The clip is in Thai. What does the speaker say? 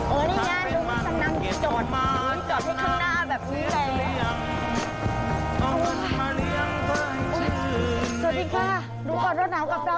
โอ้นี่ไงดูสำนักจดจดให้ข้างหน้าแบบแบบแหวน